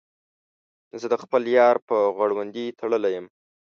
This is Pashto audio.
زه د خپل یار په غړوندي تړلی یم.